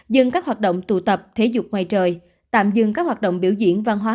dừng các hoạt động tụ tập thể dục ngoài trời tạm dừng các hoạt động biểu diễn văn hóa